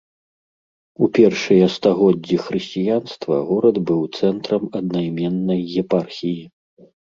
У першыя стагоддзі хрысціянства горад быў цэнтрам аднайменнай епархіі.